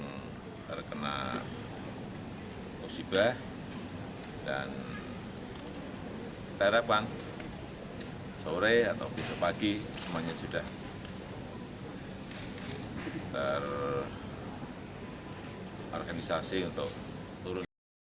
yang terkena musibah dan kita harapkan sore atau besok pagi semuanya sudah terorganisasi untuk turun